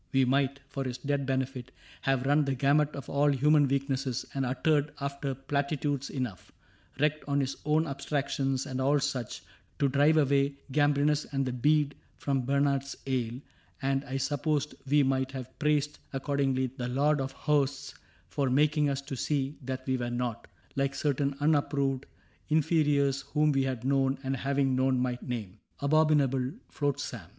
We might, for his dead benefit, have run The gamut of all human weaknesses And uttered after platitudes enough — Wrecked on his own abstractions, and all such — To drive away Gambrinus and the bead From Bernard's ale ; and I suppose we might Have praised, accordingly, the Lord of Hosts For making us to see that we were not (Like certain unapproved inferiors Whom we had known, and having known might name) Abominable flotsam.